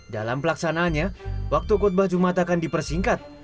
dalam pelaksanaannya waktu khutbah jumat akan dipersingkat